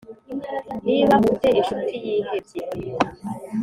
Niba u te incuti yihebye